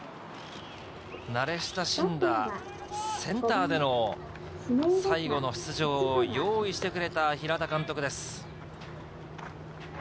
慣れ親しんだセンターでの最後の出場を用意してくれた平田監督です